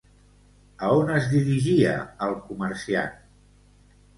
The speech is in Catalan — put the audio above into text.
A on es dirigia el comerciant?